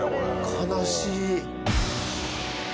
悲しい！